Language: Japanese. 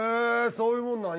そういうもんなん？